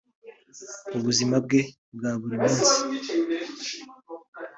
Mu buzima bwe bwa buri munsi